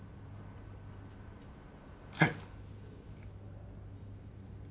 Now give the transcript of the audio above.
はい。